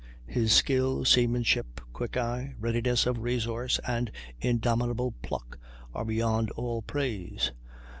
His skill, seamanship, quick eye, readiness of resource, and indomitable pluck, are beyond all praise.